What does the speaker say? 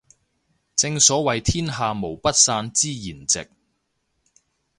正所謂天下無不散之筵席